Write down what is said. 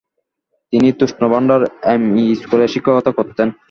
তিনি তুষভান্ডার এম-ই স্কুলে শিক্ষকতা করতেন।